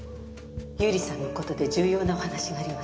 百合さんの事で重要なお話があります。